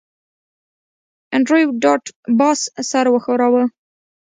انډریو ډاټ باس سر وښوراوه